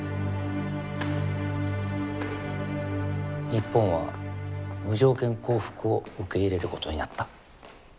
日本は無条件降伏を受け入れることになった。